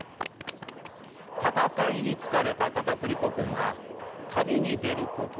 「戦いに疲れたかたくり粉くんは旅に出ることにしました」。